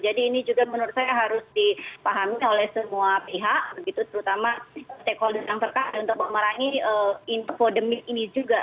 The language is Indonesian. jadi ini juga menurut saya harus dipahami oleh semua pihak terutama sekolah dan perka untuk memerangi infodemic ini juga